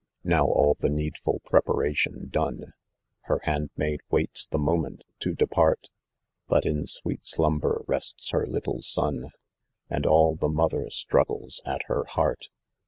Sow, an the needful preparation done, Her handmaid waits the moment to depart ; But in sweet slumber rests her little son, ' And ail the mother straggle, at her heart.